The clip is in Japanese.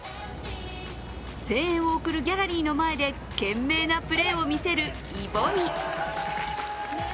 声援を送るギャラリーの前で懸命なプレーを見せるイ・ボミ。